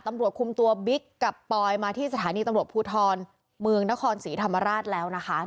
ตำรวจคุมตัวบิ๊กกับปอยมาที่สถานีตำรวจภูทรเมืองนครศรีธรรมราชแล้วนะคะ